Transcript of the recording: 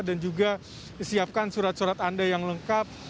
dan juga siapkan surat surat anda yang lengkap